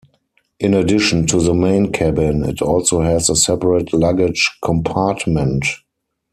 In addition to the main cabin, it also has a separate luggage compartment.